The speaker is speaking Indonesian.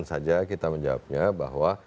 saja kita menjawabnya bahwa